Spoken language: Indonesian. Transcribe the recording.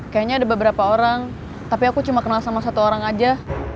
kayaknya ada beberapa orang tapi aku cuma kenal sama satu orang aja